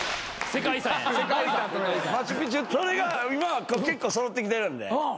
それが今は結構揃ってきてるんで。